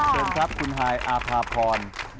เชิญครับคุณฮายอาภาพร